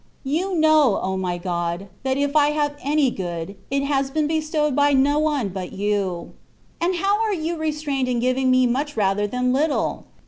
You know, O my God ! that if I have any good, it has been bestowed by no one but You, And how are You restrained in giving me much rather than little